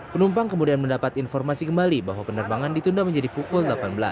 penumpang kemudian mendapat informasi kembali bahwa penerbangan ditunda menjadi pukul delapan belas